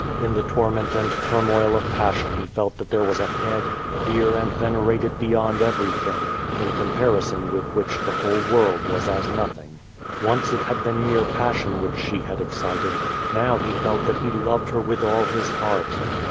In the torment and turmoil of passion he felt that there was a head, dear and ven erated beyond ever3'thing, in comparison with which the whole world was as nothing. Once it had been mere passion which she had excited, now he felt that he loved her with all his heart.